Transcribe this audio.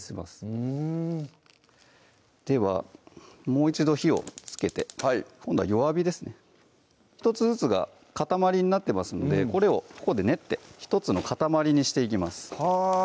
うんではもう一度火をつけて今度は弱火ですね１つずつが塊になってますのでこれをここで練って１つの塊にしていきます